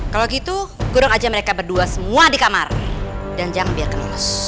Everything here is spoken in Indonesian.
kalau gitu kurang aja mereka berdua semua di kamar dan jangan biarkan